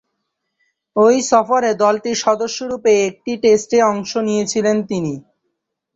ঐ সফরে দলটির সদস্যরূপে একটি টেস্টে অংশ নিয়েছিলেন তিনি।